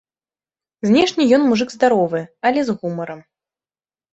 Знешне ён мужык здаровы, але з гумарам.